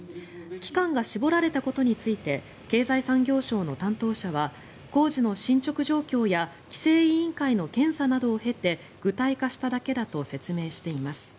期間が絞られたことについて経済産業省の担当者は工事の進ちょく状況や規制委員会の検査などを経て具体化しただけだと説明しています。